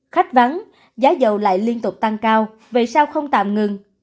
khách vắng giá dầu lại liên tục tăng cao về sao không tạm ngừng